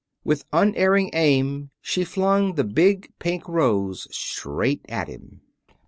With unerring aim she flung the big pink rose straight at him.